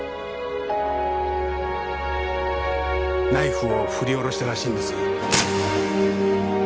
ナイフを振り下ろしたらしいんです。